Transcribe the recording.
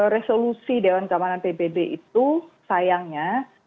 resolusi dewan keamanan pbb itu sayangnya